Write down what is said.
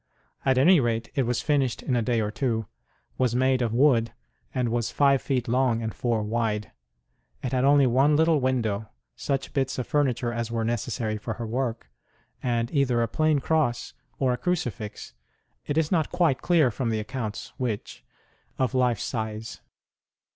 At any rate, it was finished in a day or two, was made of wood, and was five feet long and four wide ; it had one little window, such bits of furniture as were necessary for her work, and either a plain cross or a crucifix (it is not quite clear, from the accounts, which) of life size.